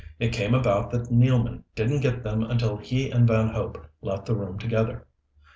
It came about that Nealman didn't get them until he and Van Hope left the room together.